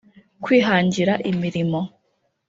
kwihangira imirimo